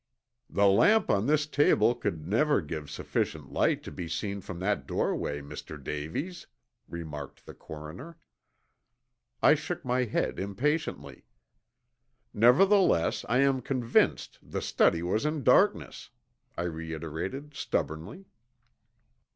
"The lamp on this table could never give sufficient light to be seen from that doorway, Mr. Davies," remarked the coroner. I shook my head impatiently. "Nevertheless, I am convinced the study was in darkness," I reiterated stubbornly.